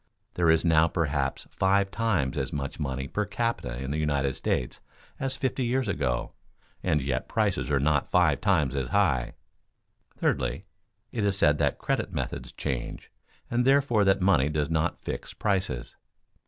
There is now perhaps five times as much money per capita in the United States as fifty years ago and yet prices are not five times as high. Thirdly, it is said that credit methods change, and therefore that money does not fix prices.